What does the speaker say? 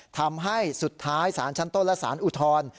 ทำให้สุดท้ายสารชั้นต้นและสารอุทธรณ์